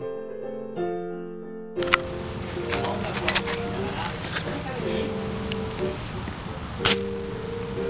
音楽を聞きながらリズミカルに。